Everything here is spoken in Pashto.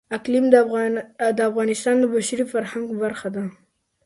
اقلیم د افغانستان د بشري فرهنګ برخه ده.